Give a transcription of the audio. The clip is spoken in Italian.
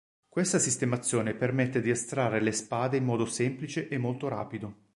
Questa sistemazione permette di estrarre le spade in modo semplice e molto rapido.